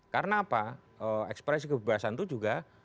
karena apa ekspresi kebebasan itu juga